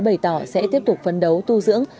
bày tỏ sẽ tiếp tục phấn đấu tu dưỡng